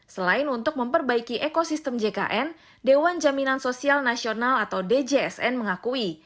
selain untuk memperbaiki ekosistem jkn dewan jaminan sosial nasional atau djsn mengakui